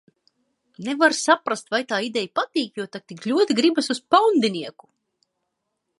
Nevar saprast, vai tā ideja patīk, jo tak tik ļoti gribas uz paundinieku.